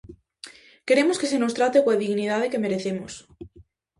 Queremos que se nos trate coa dignidade que merecemos.